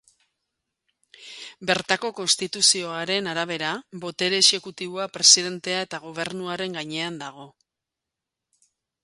Bertako konstituzioaren arabera, botere exekutiboa presidentea eta gobernuaren gainean dago.